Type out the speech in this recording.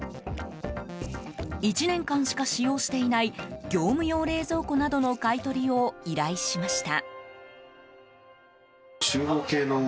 １年間しか使用していない業務用冷蔵庫などの買い取りを依頼しました。